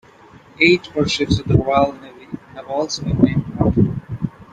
Eight warships of the Royal Navy have also been named after him.